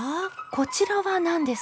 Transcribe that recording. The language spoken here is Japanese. こちらは何ですか？